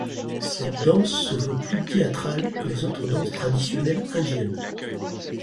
Cette danse se veut plus théâtrale que les autres danses traditionnelles indiennes.